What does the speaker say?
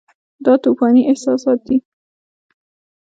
دا توپاني احساسات دي.